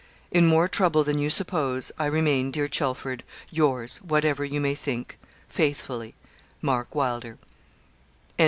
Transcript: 'In more trouble than you suppose, I remain, dear Chelford, yours, whatever you may think, faithfully, 'MARK WYLDER' CHAPTER XXIX.